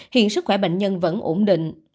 hiện sức khỏe bệnh nhân vẫn ổn định